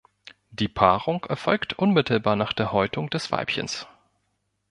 Die Paarung erfolgt unmittelbar nach der Häutung des Weibchens.